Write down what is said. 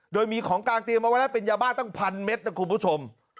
โดยมีของกลางเตรียมเอาไว้แล้วเป็นยาบ้าตั้งพันเมตรนะคุณผู้ชม